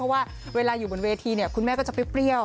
ว่าเวลาอยู่บนเวทีเนี่ยคุณแม่ก็จะเปรี้ยว